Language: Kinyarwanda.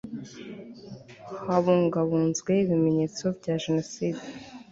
habungabunzwe ibimenyetso bya jenoside